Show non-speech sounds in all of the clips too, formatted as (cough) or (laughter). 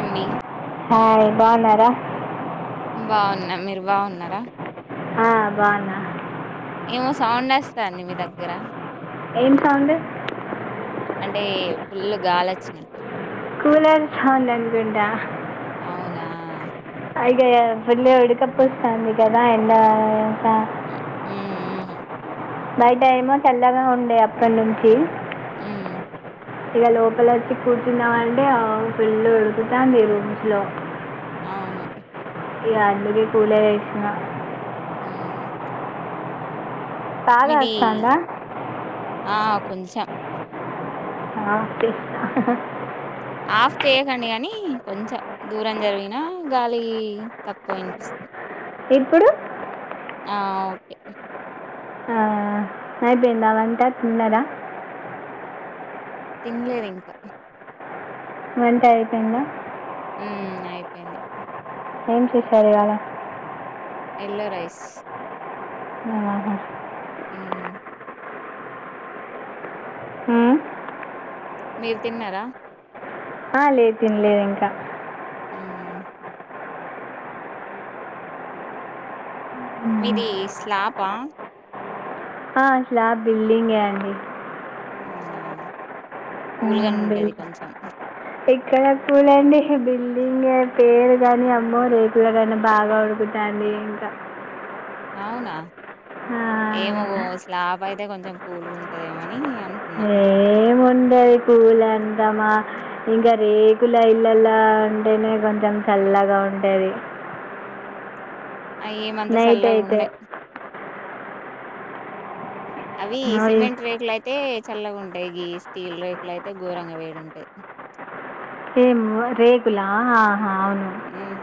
అండి ఆ బాగున్నారా బాగున్నా మీరు బాగున్నార ఆ బన్న ఏమో సౌండ్ వస్తంది మీ దగ్గర ఏం సౌండ్ అంటే ఫుల్ గాలి వచ్చినట్టు కోలార్ సౌండ్ అనుకుంటా అవునా (unintelligible) ఉడుకప్పుస్తాంది కదా ఎండ హు బయట ఏమో చల్లగా ఉండే అప్పటి నుంచి ఉమ్ ఇగ లోపల వచ్చి కూర్చున్నమంటే ఆ ఫుల్లు ఉడుకుతాంది రూమ్లో. అవును ఇగ అందుకే కూలరేషిన ఉమ్ బాగా మీది వస్తుందా ఆ కొంచెం ఆ ఓకే ఆఫ్ చేయకండి గనీ కొంచెం, దూరం జరిగినా గాలి తక్కువ ఇనిపిస్తుంది. ఇప్పుడు? ఆ ఓకే ఆ అయిపోయిందా వంట తిన్నరా? తినలేదు ఇంకా. వంట అయిపోయిందా? ఉమ్ అయిపోయింది. ఏం చేసారు ఇవాళ? Yellow rice. ఆ ఉమ్ ఉమ్ మీరు తిన్నరా? ఆ లేదు తినలేదు ఇంకా. ఉమ్ మీది స్లాపా? ఆ స్లాబ్ బిల్డింగే అండి. అవునా కూలుగనే ఉంటది కొంచెం. ఎక్కడ కూల్ అండి, బిల్డింగే పేరు గని అమ్మో రేకుల కన్నా బాగా ఉడుకుతాంది. ది ఇంకా. అవునా, ఆ, ఏమో స్లాబ్ అయితే కొంచెం కూల్ గుంటదేమోనని. నీ అనుకున్నా. టె కూల్ అంటమా ఇంకా రేకుల ఇల్లలా ఉంటేనే కొంచెం చల్ల లగా ఉంటది అయేమంతా నైట్ సల్లగ అయితే ఉన్నయి. అవి ఓయ్, సిమెంట్ రేకులు అయితే. చల్లగా ఉంటయి గి స్టీల్ రేకులు అయితే ఘోరంగా వేడి ఉంటయి. ఏం రేకులా ఆ ఉమ్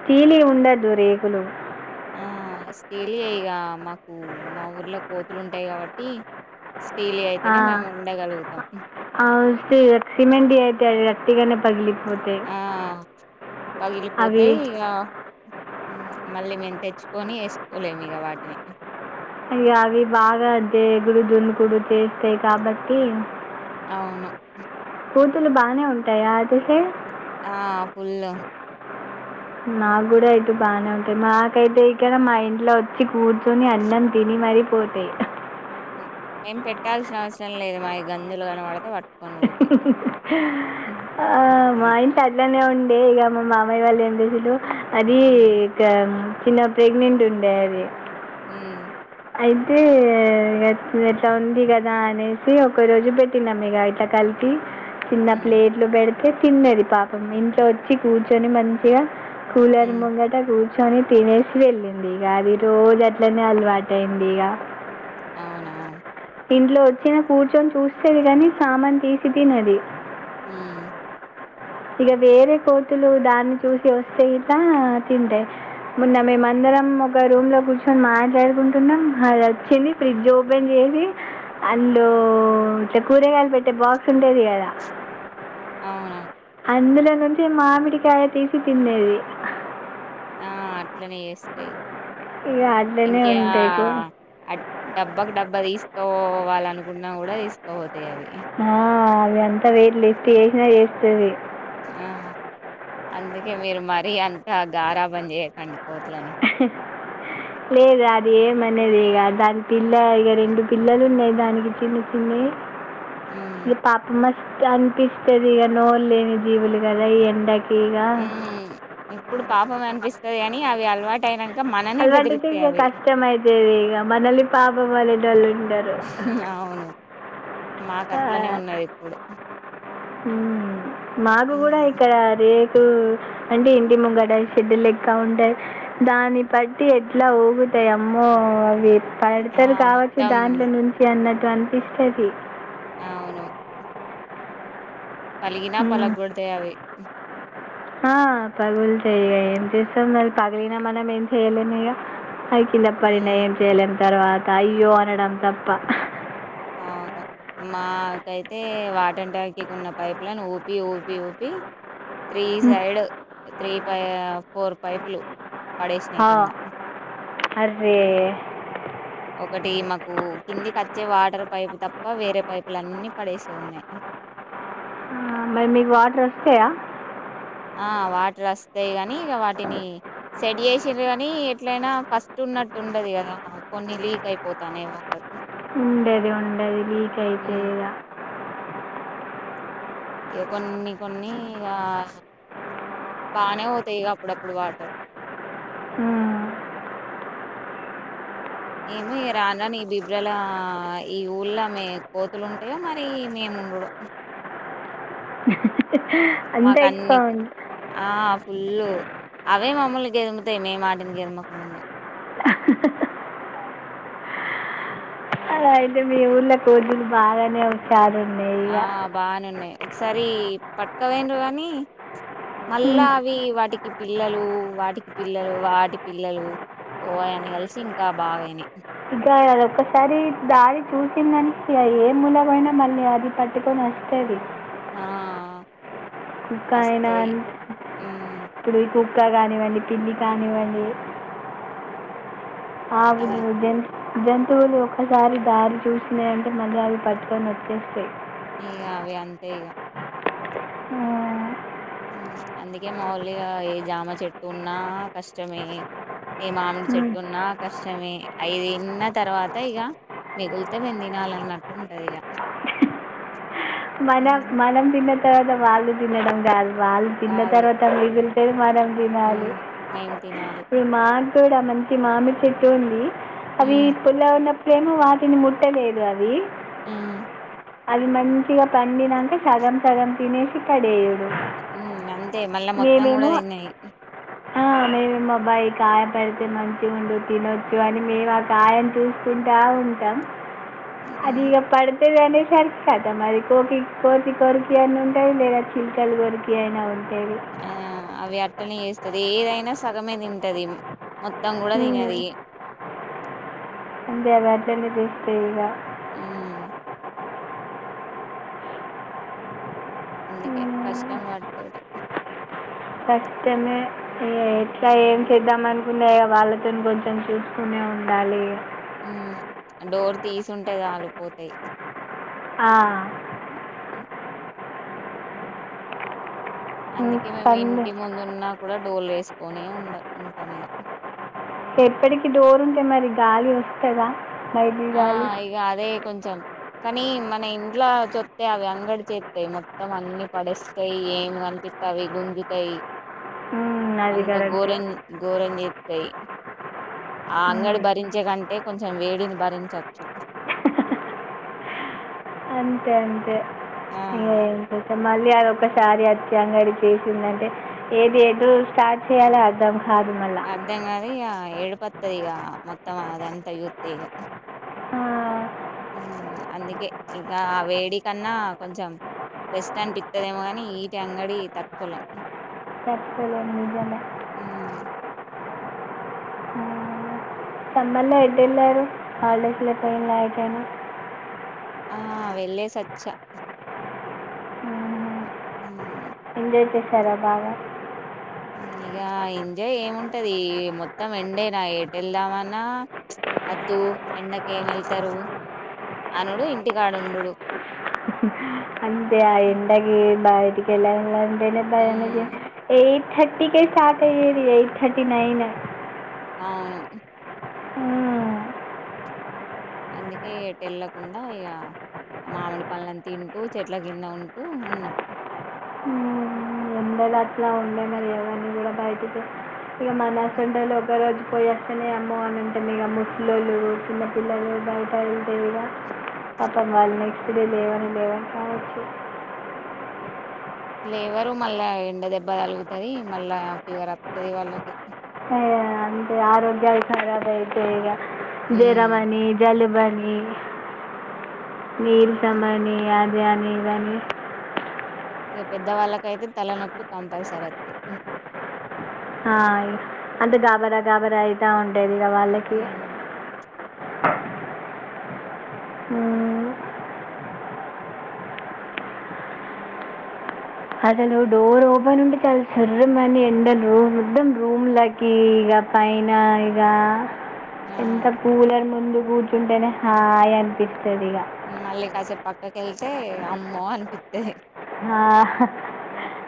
స్టీలి ఉండద్దు రేకులు. ఆ స్టీలియే ఇగ మాకు మా ఊర్లో కోతులు ఉంటయి కాబట్టి. స్టీలి అయితేనే మేము ఉండగలుగుతం. ఆ వస్తయి అట్ సిమెంటరీ అయితే అవి వట్టిగనే ఆ అవి పగిలిపోతయి ఇగ మళ్ళీ మేము తెచ్చుకొని ఏసుకోలేమిగ వాటిని. ఇగ అవి బాగా దేగుడు దునుకుడు చేస్తయి కాబట్టి. అవును. కోతులు బానే ఉంటాయా అటుకి. ఆ ఫుల్ నాకు కూడా అయితే బాగానే ఉంటాయి. మాకైతే ఇ కదా మా ఇంట్లో వచ్చి కూర్చొని అన్నం తిని సరిపోతాయి ఏం పెట్టాల్సిన అవసరం లేదు మాయి గంజులు కనబడితే పాట్ ఆ మాయింట అల్లనే ఉ అంటే ఇగా మా మామయ్య వాళ్ళు ఏం చేసిళ్ళు అది హ్మ్. ఇంకా చిన్న ప్రెగ్నెంట్ ఉండే అది హ్ అయితే ఎట్లా ఉంది కదా అనేసి ఒక రోజు పెట్టినాం ఇగా కలిపి చిన్న హ్మ్. ప్లేట్లు బేడుతే ఐతే తిన్నది పాపం ఇంట్లో వచ్చి కూర్చొని మంచిగా కూలర్ హ్మ్. ముంగట కూర్చొని కూర్చొని తినేసి వెళ్ళింది. ఇగా అది రోజు అట్లనే అలవాటు అయింది ఇగా అవునా ఇంట్లో వచ్చి కూర్చొని చూస్తేది కాని సామాన్ తీసి తినది హ్ ఇగా వేరే కోతులు దాన్ని చూసి వస్తయి ఇట్ల తింటయి మొన్న మేము అందరం ఒక రూమ్ లో కూర్చుని మాట్లాడుకుంటున్నాం అది వచ్చింది. ఫ్రిడ్జ్ ఓపెన్ చే సింది అందులో అంటే కూరగాయలు పెట్టే బాక్స్ ఉంటాది కదా అవును అందులో నుంచి మామిడి కాయ తీసి తిన్నది ఆ! అట్లనే చేస్తాయి ఇక అట్లనే ఇంకా ఉంటాయి కూ డా డబ్బా తీసుకోవాలనుకున్నా కూడా తీసుకపోతాయి అవి. ఆ అది అంత వెరూలే లెక్క చేసినా చేస్తది. ఆ అందుకే మీరు మరీ అంత గారాబం చేయకండి కోతులని లేదు అది ఏమనది ఇగా దానికి పిల్ల ఇగా రెండు పిల్లలు ఉన్నాయి దానికి చిన్న చిన్నయి హ్మ్. ఇగా పాపం మస్ అనిపిస్తది ఇగా నోరూ లేని జీవులు కదా ఈ ఎండకి ఇక హ్ ఇప్పుడు పాపమే అనిపిస్తది గాని అవి అలవాటు అయినంక ఆల్వాటు ఐతే ఇగ కష్టము అయితది ఇగ మనం పాపం మనేటోళ్ళు ఉండారు. అవును మాకు అట్లనే ఉన్నది ఇప్పుడు మాకు కూడా హ్మ్. ఇక్కడ రే టూ అంటే ఇంటి ముంగట షెడ్ లెక్క ఉంటాది దాని బట్టి ఎట్లా ఊగు తాయి అమ్మో అది ఆ! పడతారు కావచ్చు మొత్తం దాంట్లో నుంచి అన్నట్టు అనిపిస్తది అవును పలిగిన పలగోడుతాయి అవి ఆ పగలు తాయి ఇగ మనం ఏం చేస్తము మరి పగలినా మనం ఏం చెయలేము ఇగ అవి కింద పడిన హ్మ్. ఏం చేయలేము తర్వాత అయ్యో అనడం తప్ప అవును మాకైతే వాటర్ ట్యాంక్ ఉన్న పైప్ లైన్ ఊపి ఊపి ఊపి త్రీ హ్మ్. సైడ్ త్రీ ఫోర్ పైపులు పడేసినాయి ఆ కింద. అర్రే ఒకటీ మాకు కిందికి వచ్చే వాటర్ పైపు తప్ప వేరే పైపులు అన్ని పడేసే ఉన్నాయి. మరి మీకు వాటర్ వస్తాయా ఆ ఇగ వాటర్ వస్తాయి. గాని ఇక వాటిని సెడ్ చేసిరూ గానీ ఎట్లయినా ఫస్ట్ ఉన్నట్టు ఉండది కదా కొన్ని లీక్ అయిపోతా లేవ ఉండది ఉండది లీక్ హ్మ్. అయితేదా ఇక కొన్ని కొన్ని ఇగా బానే పోతాయిక అప్పుడప్పుడు వాటర్ అ ఏమో ఇ రాను రాను ఈ బిబ్రల ఈ ఊళ్ళ మే కోతులు ఉంటాయో మరి మేము ఉండుడో అంత మాకు ఎక్కువ అన్నీ ఉండ ఆ ఫుల్లు అవే మమ్మల్ని గెదుముతాయి మే వాటిని గెదమకముందు అలా అయితే మీ ఊళ్ళో కోతులు బాగానే (unintelligible) ఆ బానేన్నాయి ఒకసారి పట్క పోయినారు కానీ మళ్ళా హ్మ్. అవి వాటికి పిల్లలు వాటికి పిల్లలు వాటి పిల్లలు ఓయని కలిసి ఇంకా బాగా అయినయి ఇక అ ఒక్కసారి దారి చూసింది అనుకో ఏ మూలమైనా మళ్ళీ అది పట్టుకొని (unintelligible) ఆ కుక్క అయేన వస్తాయి హ్మ్ (unintelligible) కుక్క కానివ్వండి పిల్లి కానివ్వండి అలా ఆవులు జంతు జంతువులు ఒక్కసారి దారి చూసినాయి అంటే మళ్ళీ అవి పట్టుకొని వచ్చేస్తాయి ఇగ అవే అంతే ఇగ అందుకే మాములుగా ఏ జామ చెట్టు ఉన్నా కష్టమే ఏ మామిడి ఉమ్, చెట్టున్నా కష్టమే అవి తిన్న తర్వాత ఇక మిగులితే మేము తినాలి అన్నట్టుంటది ఇక మనం మనం తిన్న తర్వాత వాళ్ళు తినడం కాదు వాళ్ళు తిన్న కాళ్ళు తర్వాత మిగులుతే తె మనం తినాలి మ్మ్ మేం తినాలి ఇప్పుడు మా కూడా మంచి మామిడి చెట్టు ఉంది అవి మ్మ్ పుల్లగా ఉన్నప్పుడేమో వాటిని ముట్టలేదు అవి ఊ అది మంచిగా పండినక సగం సగం తినేసి పడేయుడు ఉ అంతే మళ్ళా మొత్తం కూడా తిన్నాయి ఆ! మేమేమో అబ్బా కాయపడితే మంచిగా ఉండు తినొచ్చు అని మేము ఆ కాయని చూసుకుంటా ఉంటాం మ్మ్ అది ఎపడి దనే సరి కదా మరి కోకి కోకి కొరికి అన్న ఉంటాయి లేదా చిల్కలు కొరికి అయినా ఉంటాయి ఆ అవి అట్టనే చేస్తది ఏదైనా సగమే తింటది మొత్తం కూడా హ్మ్. తినది అందేవని దస్తతే ఇగ ఊ అందుకే హ్మ్. కష్టం వాటితోటి కష్టమే ఎట్లా ఏం చేద్దాం అనుకుంటే వాళ్ళతోని కొంచెం చూసుకునే ఉండాలి ఉ డోర్ తీసింటే చాలు పోతాయి ఆ హం హం హ్మ్. అందుకే మేము పనులు ఇంటి ముందు ఉన్నా కూడా డోర్లు వేసుకొనే ఉండ ఉంటాం ఇక ఎప్పటికి డోరు ఉంటే మరి గాలి వస్తద ఆ ఇక అదే కొంచెం కానీ మన ఇంట్లో చొస్తా అవి అంగడి చేస్తాయి మొత్తం అన్ని పడేస్తాయి ఏమి కా కనిపిస్తా అవి గుంజుతాయి హ్మ్. అది అంత కరెక్టే. గోరం గోరం చే తాయి ఆ అంగడి హ్మ్. భరించే కంటే కొంచెం వేడిని భరించోచ్చు ఉమ్ అంతే అంతే ఇంతప్ప మళ్ళీ అదొక్కసారి వచ్చి అంగడి చేసింది అంటే ఏది ఎదో స్టార్ట్ చేయలో అర్ధం అర్ధం కాదు ఇగ ఏడుపోతది ఇగ మొత్తం అది అంతా చూతే ఇగ ఆ! ఉమ్ అందుకే ఇంకా ఆ వేడి కన్నా కొంచెం రెస్ట్ అంటి ఇట్టదేమో గాని వీటి అంగడి తట్టుకోలేం తట్టుకోలే అమ్ తమ్మల్లో ఎట్టు వెళ్ళారు హాలిడేస్ లో పోయిన నయిట్ నేను ఆ వెళ్ళేసి వచ్చా హుహు. హమ్ ఎంజాయ్ చేశారా బాగా ఇగ ఇంజాయ్ ఏముంటది మొత్తం ఎండే నా ఏట్టు వెళ్దామన్నా అద్దు ఎండకి ఏం వెళ్తారు అనుడు ఇంటికాడ ఉండుడు (inaudible) అంటే ఆ ఎండకి బయటికి వెళ్లాలంటేనే భయం ఏయ్ థర్టీ కె స్టార్ట్ అయేది ఎయిట్ థర్టీ నైన్ అవును అందుకే ఎటు ఎల్ల కుండా ఇగ ఆ మామిడి పండ్లను తింటూ చేట్ల క్రింద ఉంటూ ఉన్నాం హమ్ ఎండలు అట్లా ఉండే మరి ఎవర్ని కూడా బయటికి ఇక మన సుంటోలే ఒక రోజు పోయివస్తనే అమ్మో అని ఉంటాం ఇక ముసలోలు చిన్నపిల్లలు బయట వెళ్దేవిగా పాపం వాళ్ళు నెక్స్ట్ డే లేవని లేవని కావచ్చు లేవరు మళ్ళా ఎండ దెబ్బ తలుగుతది మళ్ళా ఫీవర్ వస్తది వాళ్ళకి అంతే ఆరోగ్యాలు కరాబా అవుతాయి ఇగ ఉమ్, జరమనీ జలుబనీ హుం నీళ్ళు తేమని అది అని ఇది అని ఇక పెద్ద వాళ్ళకైతే తలనొప్పి కంపల్సరీ వస్తది ఆ అంటే గాబరా గాబరా అయితా ఉంటాది ఇగ వాళ్ళకి హ్మ్. అసలు డోర్ ఓపెన్ ఉంటే చాలా చర్రమని ఎండ రుమ్ మద్దం రూమ్ లకి ఇగ ఆ పైన ఇగ ఆ ఇంట్లో కూలర్ ముందు కూర్చుంటేనే హాయ్ అనిపి మళ్ళీ కాసేపు పక్కకెళ్తే అమ్మో అనిపితది ఆహా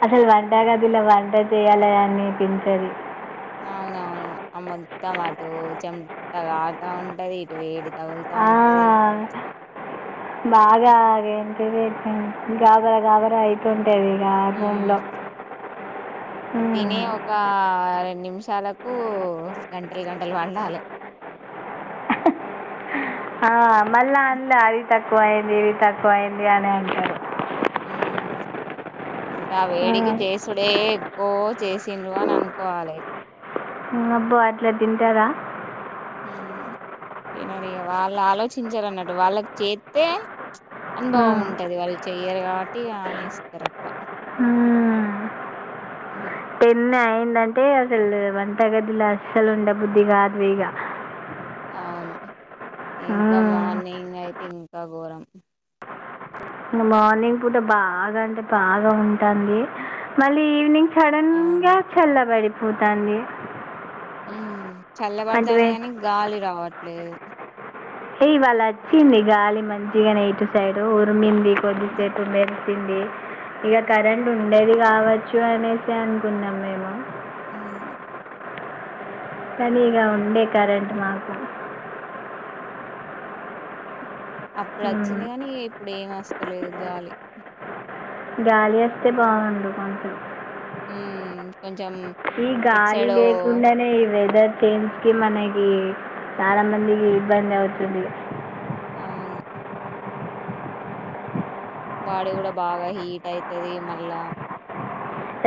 అసలు వంటగదిలో వంట చేయలని అని పించదు అవునవును మొత్తం అటు చెమట కార్తా ఉంటది ఇటు వేడి తగులుతా ఉంటది అదే బాగాగే అంత గాబర గాబర ఆయితు ఉంట తెలిగా హ్మ్. భూంలో అది తీని ఒక పది నిమిషాలకు గంటలు గంటలు అండాలే ఆ మళ్ళా అందు అది తక్కువ అయింది ఇవి తక్కువ అయింది అని అంటారు ఉమ్ ఆ ఇంకా వేడికి ఉమ్. చేసుడే ఓ చేసిండ్రు అని అనుకోవాలే ఆ అబ్బో అట్లా తింటారా ఉమ్ తినడు ఇగ వాళ్ళు ఆలోచించారన్నట్టు వాళ్ళకు చేతే అనుభవం ఉంటది వాళ్ళు చెయ్యరు కాబట్టి ఇగ అనేస్తారు అట్లా హ ఏందంటే అసలు వంట గదిలో అస్సలు ఉండే బుద్ధి కాదు ఇగ అవును ఇంకా మార్నింగ్ అయితే ఇంకా ఘోరం మార్నింగ్ పూట బాగా అంటే బాగా ఉంటది మళ్ళీ ఈవినింగ్ సడన్ అవును. గా చల్లబడి పోతంది ఉ చల్లబడతంది గాని గాలి రావట్లేదు ఏ ఇవాళ వచ్చింది గాలి మంచిగానే ఇటు సైడ్ ఉరిమింది కొద్దిసేపు మె రిసింది ఇక కరెంట్ ఉండేది కావచ్చు అనేసి అనుకున్నాం మేము అ కానీగా ఉండే కరెంట్ మాకు అప్పుడు ఉమ్. అచ్చింది గానీ ఈ ఇప్పుడు ఏం వస్తలేదు గాలి గాలి వస్తే బాగుండు కొంచెం ఉమ్ ఈ గాలి లేకుండానే వెదర్ చేంజ్ కి మనకి చాలా మందికి ఇబ్బంది అవుతుంది అవును బాడీ కూడా బాగా హీట్ అయితది మళ్ళా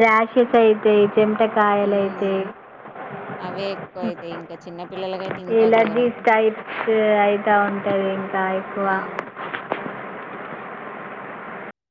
రాషెస్ అయితయి చెమట కాయలు అయితాయ్ హ్మ్ అవే ఎక్కువ అయితాయి ఇంకా చిన్న పిల్లలకైతే ఇంకా ఎలర్జీ ఘోరం టైప్స్ అయితా ఉంటాయి ఇంకా ఎక్కువ హ్మ్